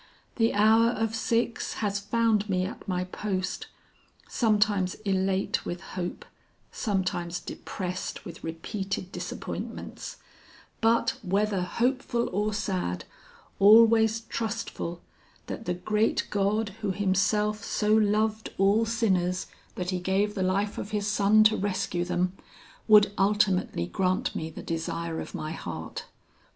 The hour of six has found me at my post, sometimes elate with hope, sometimes depressed with repeated disappointments, but whether hopeful or sad, always trustful that the great God who Himself so loved all sinners, that He gave the life of His Son to rescue them, would ultimately grant me the desire of my heart.